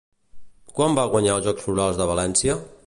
Quan va guanyar els Jocs Florals de València?